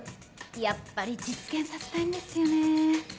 やっぱり実現させたいんですよねぇ。